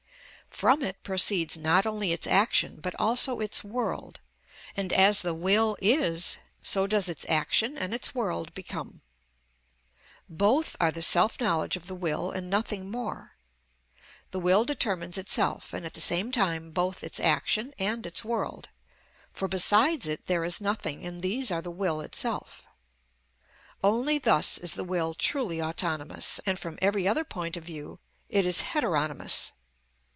From it proceeds not only its action, but also its world; and as the will is, so does its action and its world become. Both are the self knowledge of the will and nothing more. The will determines itself, and at the same time both its action and its world; for besides it there is nothing, and these are the will itself. Only thus is the will truly autonomous, and from every other point of view it is heteronomous.